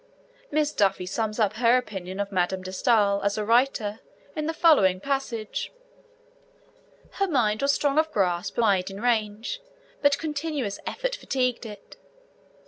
Miss Duffy sums up her opinion of Madame de Stael as a writer in the following passage: Her mind was strong of grasp and wide in range, but continuous effort fatigued it.